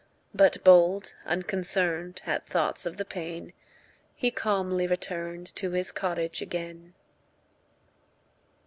But bold, unconcern'd At thoughts of the pain, He calmly return'd To his cottage again.